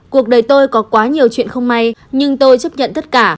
cuộc đời tôi có quá nhiều chuyện không may nhưng tôi chấp nhận tất cả